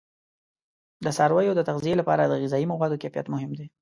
د څارویو د تغذیه لپاره د غذایي موادو کیفیت مهم دی.